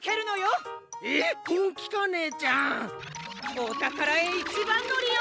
おたからへいちばんのりよ！